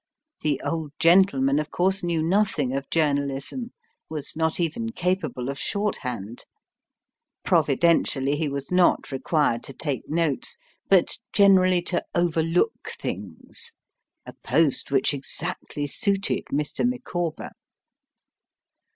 The old gentleman, of course, knew nothing of journalism, was not even capable of shorthand. Providentially he was not required to take notes, but generally to overlook things, a post which exactly suited Mr. Micawber.